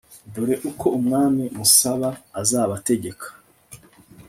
dore uko umwami musaba azabategeka